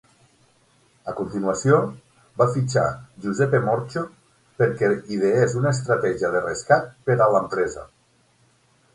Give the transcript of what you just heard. A continuació, va fitxar Giuseppe Morchio perquè ideés una estratègia de rescat per a l'empresa.